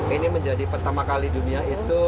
ini menjadi pertama kali dunia itu